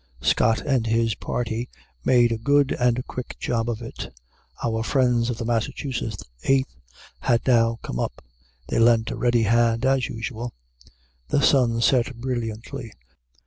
Scott and his party made a good and a quick job of it. Our friends of the Massachusetts Eighth had now come up. They lent a ready hand, as usual. The sun set brilliantly.